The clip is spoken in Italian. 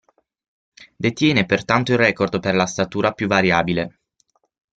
Detiene pertanto il record per la "statura più variabile".